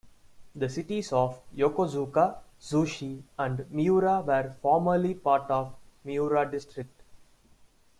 The cities of Yokosuka, Zushi and Miura were formerly part of Miura District.